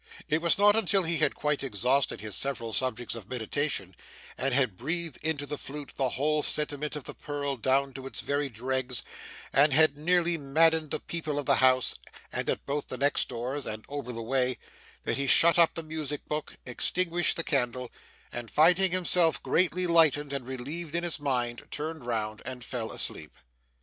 It was not until he had quite exhausted his several subjects of meditation, and had breathed into the flute the whole sentiment of the purl down to its very dregs, and had nearly maddened the people of the house, and at both the next doors, and over the way that he shut up the music book, extinguished the candle, and finding himself greatly lightened and relieved in his mind, turned round and fell asleep.